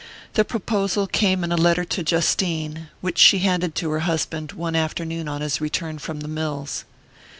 The proposal came in a letter to Justine, which she handed to her husband one afternoon on his return from the mills.